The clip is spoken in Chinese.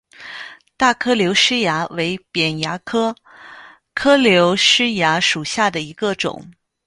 大颗瘤虱蚜为扁蚜科颗瘤虱蚜属下的一个种。